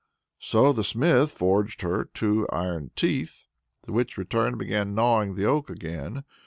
So the smith forged her two iron teeth. The witch returned and began gnawing the oak again.